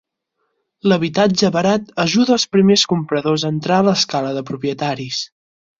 L'habitatge barat ajuda als primers compradors a entrar a l'escala de propietaris.